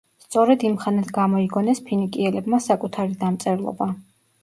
სწორედ იმხანად გამოიგონეს ფინიკიელებმა საკუთარი დამწერლობა.